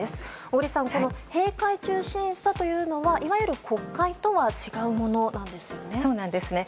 小栗さん、閉会中審査というのはいわゆる国会とは違うものなんですよね。